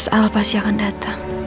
al pasti akan datang